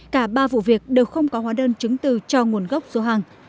cả ba vụ việc đều không có hóa đơn chứng từ cho nguồn gốc số hàng